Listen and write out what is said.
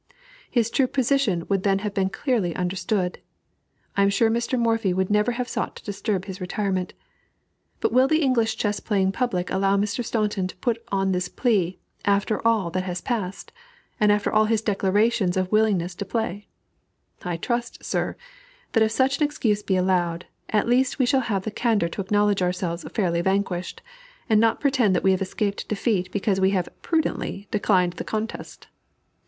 His true position would then have been clearly understood, and I am sure Mr. Morphy would never have sought to disturb his retirement. But will the English chess playing public allow Mr. Staunton to put in this plea after all that has passed, and after all his declarations of willingness to play? I trust, sir, that, if such an excuse be allowed, at least we shall have the candor to acknowledge ourselves fairly vanquished, and not pretend that we have escaped defeat because we have "prudently" declined the contest.